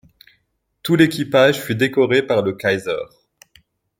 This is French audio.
Tout l'équipage fut décoré par le Kaiser.